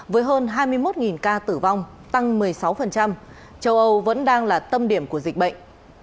với hơn hai mươi một ca tử vong tăng một mươi sáu châu âu vẫn đang là tâm điểm của dịch bệnh